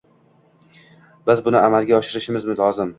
Biz buni amalga oshirishimiz lozim